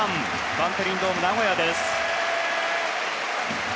バンテリンドームナゴヤです。